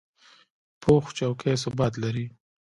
پوخ چوکۍ ثبات لري